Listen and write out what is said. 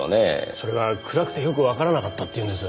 それが暗くてよくわからなかったって言うんです。